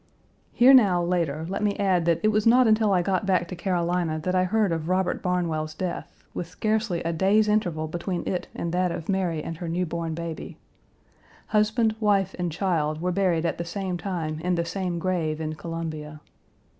Here now, later, let me add that it was not until I got back to Carolina that I heard of Robert Barnwell's death, with scarcely a day's interval between it and that of Mary and her new born baby. Husband, wife, and child were buried at the same time in the same grave in Columbia.